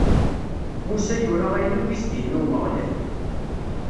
Musa yura ayen akk i s-d-inna Umeɣlal.